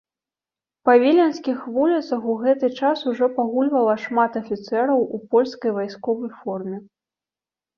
Па віленскіх вуліцах у гэты час ужо пагульвала шмат афіцэраў у польскай вайсковай форме.